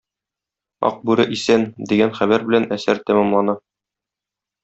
Акбүре исән! - дигән хәбәр белән әсәр тәмамлана.